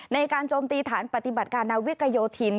โจมตีฐานปฏิบัติการนาวิกโยธิน